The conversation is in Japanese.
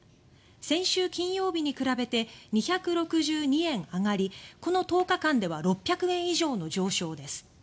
先週金曜日に比べて２６２円上がりこの１０日間では６００円以上の上昇です。